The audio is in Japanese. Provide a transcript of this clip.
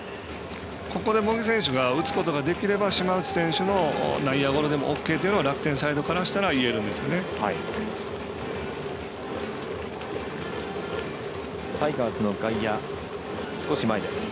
ここで茂木選手が打つことができれば島内選手の内野ゴロでもＯＫというのが楽天サイドからしたらタイガースの外野少し前です。